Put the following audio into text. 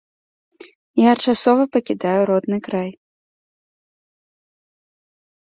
Я часова пакідаю родны край.